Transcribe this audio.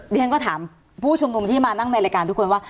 เรียนก็ถามผู้ชุมนุมที่มานั่งในรายการทุกคนว่า